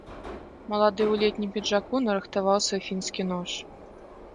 Малады ў летнім пінжаку нарыхтаваў свой фінскі нож.